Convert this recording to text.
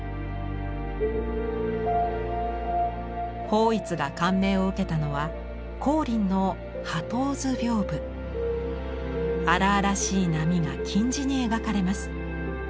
抱一が感銘を受けたのは光琳の荒々しい波が金地に描かれます。